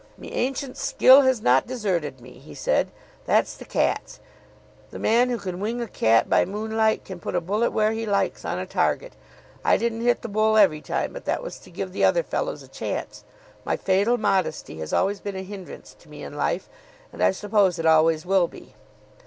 "Me ancient skill has not deserted me," he said, "That's the cats. The man who can wing a cat by moonlight can put a bullet where he likes on a target. I didn't hit the bull every time, but that was to give the other fellows a chance. My fatal modesty has always been a hindrance to me in life, and I suppose it always will be.